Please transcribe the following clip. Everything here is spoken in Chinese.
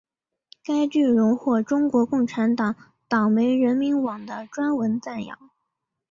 该剧荣获中国共产党党媒人民网的专文赞扬。